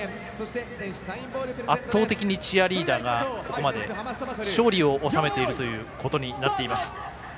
圧倒的にチアリーダーがここまで勝利を収めているということになっています。